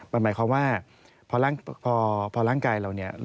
มันหมายความว่าพอร่างกายเราเนี่ย